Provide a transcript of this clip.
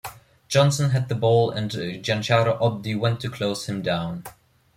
Johnson had the ball and Giancarlo Oddi went to close him down.